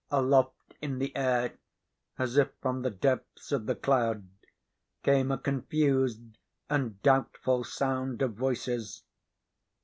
Aloft in the air, as if from the depths of the cloud, came a confused and doubtful sound of voices.